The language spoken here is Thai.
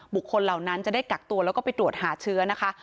เหล่านั้นจะได้กักตัวแล้วก็ไปตรวจหาเชื้อนะคะ